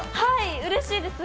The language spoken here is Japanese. うれしいですね。